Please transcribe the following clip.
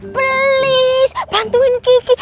please bantuin kiki